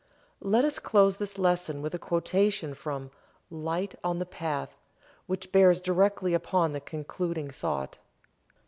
Let us close this lesson with a quotation from "Light on the Path," which bears directly upon the concluding thought.